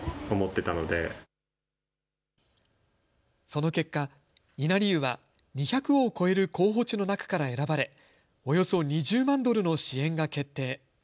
その結果、稲荷湯は２００を超える候補地の中から選ばれ、およそ２０万ドルの支援が決定。